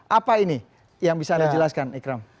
apa ini yang bisa anda jelaskan ikram